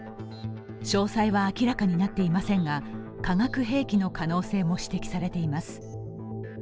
詳細は明らかになっていませんが化学兵器の可能性も指摘されています。